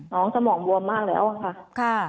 สมองบวมมากแล้วค่ะ